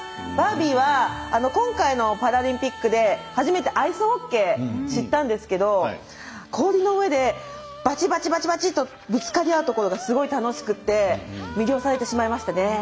バービーは今回のパラリンピックで初めてアイスホッケー知ったんですけど氷の上でバチバチとぶつかり合うところがすごい楽しくて魅了されてしまいましたね。